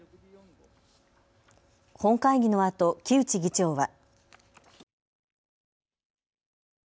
本会議のあと木内議長は。